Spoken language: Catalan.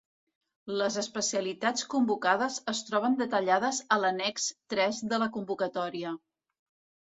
Les especialitats convocades es troben detallades a l'annex tres de la convocatòria.